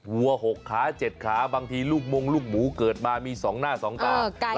วัวหกขาเจ็ดขาบางทีลูกมงลูกหมูเกิดมามีสองหน้าสองตา